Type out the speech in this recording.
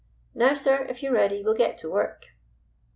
Now, sir, if you're ready we'll get to work."